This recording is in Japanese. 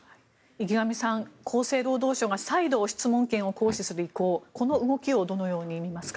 池上さん、厚生労働省が再度、質問権を行使する意向この動きをどのように見ますか？